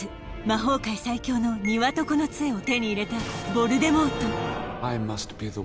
魔法界最強のニワトコの杖を手に入れたヴォルデモート